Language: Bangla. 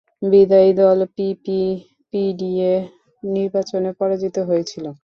বিদায়ী দল পিপিপি/পিডিএ নির্বাচনে পরাজিত হয়েছিল।